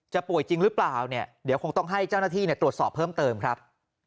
จะป่วยจริงหรือเปล่าคงต้องให้เจ้าหน้าที่ตรวจสอบเพิ่มเติมครับ